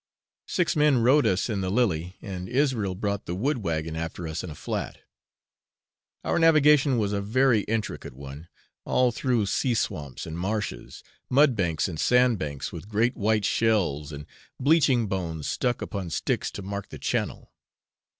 Six men rowed us in the 'Lily,' and Israel brought the wood wagon after us in a flat. Our navigation was a very intricate one, all through sea swamps and marshes, mud banks and sand banks, with great white shells and bleaching bones stuck upon sticks to mark the channel.